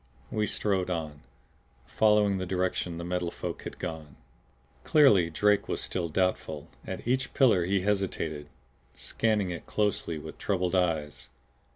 We strode on, following the direction the Metal Folk had gone. Clearly Drake was still doubtful; at each pillar he hesitated, scanning it closely with troubled eyes.